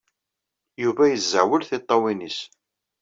Yuba yezzeɛwel tiṭṭawin-nnes.